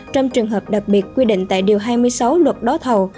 trong trường hợp đặc biệt quy định tại điều hai mươi sáu luật đấu thầu